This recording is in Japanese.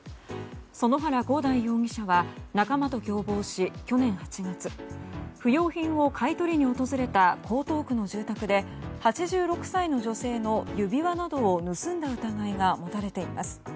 園原広大容疑者は仲間と共謀し去年８月不用品を買い取りに訪れた江東区の住宅で８６歳の女性の指輪などを盗んだ疑いが持たれています。